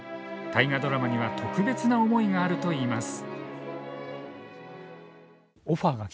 大河ドラマには特別な思いがあるといいます。